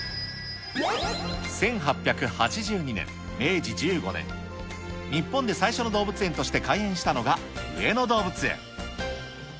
１８８２年、明治１５年、日本で最初の動物園として開園したのが上野動物園。